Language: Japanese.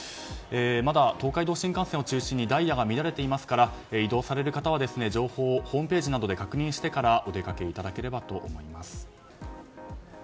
まだ、東海道新幹線を中心にダイヤが乱れていますから移動される方は、情報をホームページなどで確認してからお出かけいただければと思います。